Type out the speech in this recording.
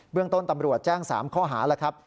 เรื่องต้นตำรวจแจ้ง๓ข้อหาแล้วครับ